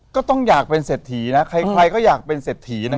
ก็ต้องอยากเป็นเศรษฐีนะใครก็อยากเป็นเศรษฐีนะ